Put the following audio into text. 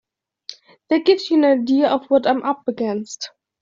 That gives you an idea of what I'm up against.